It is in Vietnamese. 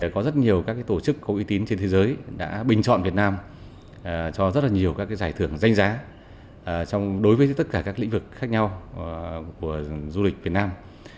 có rất nhiều các tổ chức có uy tín trên thế giới đã bình chọn việt nam cho rất nhiều các giải thưởng danh giá đối với tất cả các lĩnh vực khác nhau của du lịch việt nam